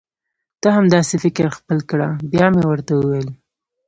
ته هم دا سي فکر خپل کړه بیا مي ورته وویل: